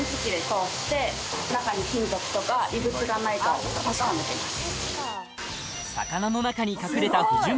中に金属とか異物がないかを確かめています。